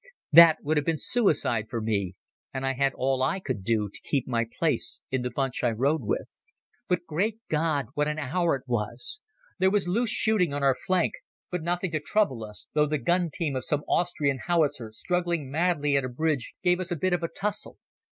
That would have been suicide for me, and I had all I could do to keep my place in the bunch I rode with. But, Great God! what an hour it was! There was loose shooting on our flank, but nothing to trouble us, though the gun team of some Austrian howitzer, struggling madly at a bridge, gave us a bit of a tussle.